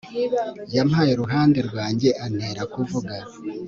yampaye uruhande rwanjye antera kuvuga